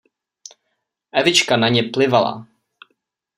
Evička na ně plivala.